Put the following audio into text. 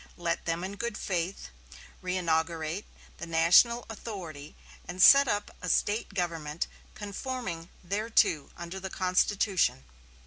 Let them in good faith reinaugurate the national authority and set up a State government conforming thereto under the Constitution.